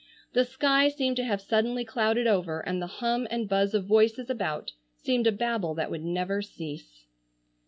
The sky seemed to have suddenly clouded over and the hum and buzz of voices about seemed a babel that would never cease.